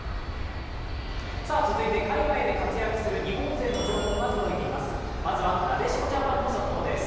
続いて、海外で活躍する日本勢の情報が届いています。